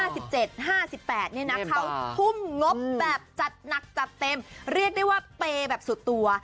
เขาทุ่มงบแบบจัดหนักจัดเต็มเรียกได้ว่าเปย์แบบสุดตัว